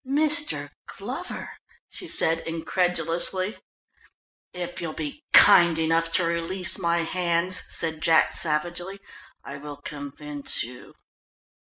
"Mr. Glover," she said incredulously. "If you'll be kind enough to release my hands," said Jack savagely, "I will convince you."